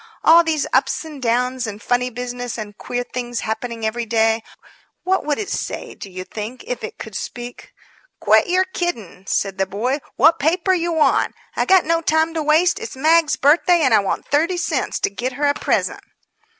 All these ups and downs and funny business and queer things happening every day what would it say, do you think, if it could speak?" "Quit yer kiddin'," said the boy. "Wot paper yer want? I got no time to waste. It's Mag's birthday, and I want thirty cents to git her a present."